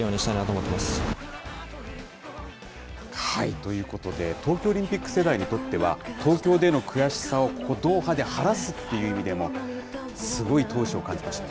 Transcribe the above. ということで、東京オリンピック世代にとっては、東京での悔しさを、ドーハで晴らすっていう意味でも、すごい闘志を感じましたね。